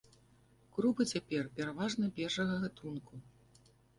Крупы цяпер пераважна першага гатунку.